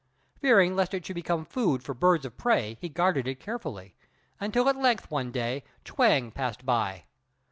Fearing lest it should become food for birds of prey, he guarded it carefully, until at length one day Chuang passed by.